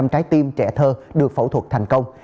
hai năm trăm linh trái tim trẻ thơ được phẫu thuật thành công